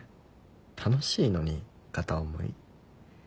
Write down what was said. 楽しいのに片思い。